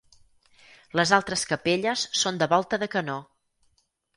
Les altres capelles són de volta de canó.